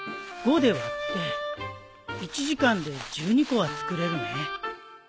５で割って１時間で１２個は作れるね。